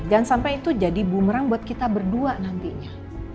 jangan sampai itu jadi bumerang buat kita berdua nantinya